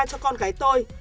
cho con gái tôi